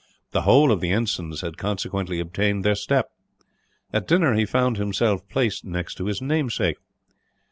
The whole of the ensigns had consequently obtained their step. At dinner he found himself placed next to his namesake.